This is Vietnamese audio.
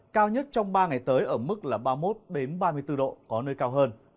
cao nhất trong ba ngày tới ở mức ba mươi một ba mươi bốn độ có nơi cao hơn